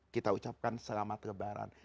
kita ucapkan selamat lebaran